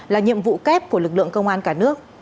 là nhiệm vụ kép của lực lượng công an cả nước